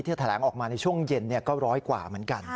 แถลงออกมาในช่วงเย็นก็ร้อยกว่าเหมือนกัน